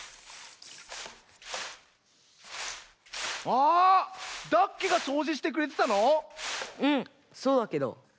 あダッケがそうじしてくれてたの⁉うんそうだけど。